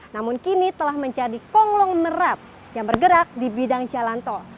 namun kini telah menjadi konglong merap yang bergerak di bidang jalan tol